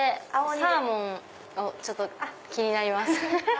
サーモン気になります。